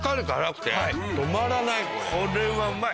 これはうまい。